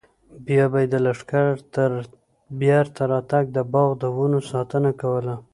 بیا به یې د لښکر تر بېرته راتګ د باغ د ونو ساتنه کوله.